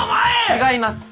違います。